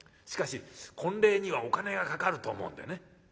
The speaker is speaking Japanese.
しかし婚礼にはお金がかかると思うんでね。